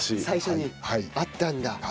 最初にあったんだ。